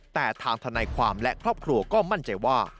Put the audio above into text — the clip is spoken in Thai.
แต่ทางทนายความและครอบครัวก็มั่นใจว่า